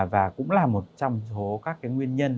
và cũng là một trong số các nguyên nhân